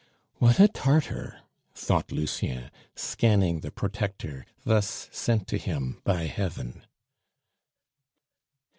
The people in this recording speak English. "What a Tartar!" thought Lucien, scanning the protector thus sent to him by Heaven.